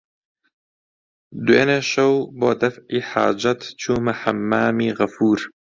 دوێنێ شەو بۆ دەفعی حاجەت چوومە حەممامی غەفوور